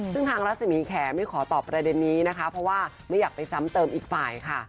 ซึ่งทางรัศมีแขไม่ขอตอบประเด็นนี้นะคะเพราะว่าไม่อยากไปซ้ำเติมอีกฝ่ายค่ะ